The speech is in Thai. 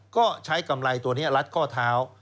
ก็ใช้กำไรตัวนี้รัดข้อเท้า